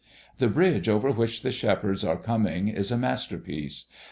The bridge over which the shepherds are coming is a masterpiece.